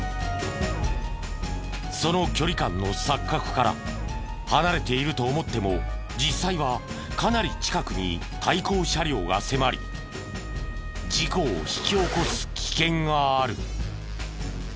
その距離感の錯覚から離れていると思っても実際はかなり近くに対向車両が迫り事故を引き起こす危険がある。